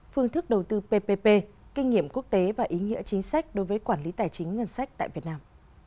phương thức đầu tư ppp kinh nghiệm quốc tế và ý nghĩa chính sách đối với quản lý tài chính ngân sách tại việt nam